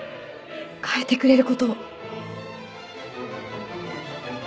変えてくれることを。